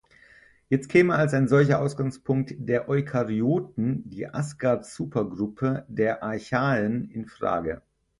Jetzt käme als ein solcher Ausgangspunkt der Eukaryoten die Asgard-Supergruppe der Archaeen in Frage.